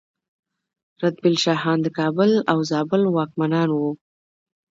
رتبیل شاهان د کابل او زابل واکمنان وو